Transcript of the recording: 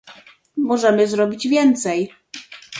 Możemy zrobić więcej